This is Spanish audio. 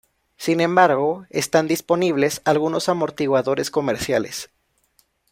Sin embargo, están disponibles algunos amortiguadores comerciales.